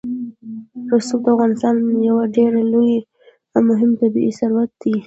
رسوب د افغانستان یو ډېر لوی او مهم طبعي ثروت دی.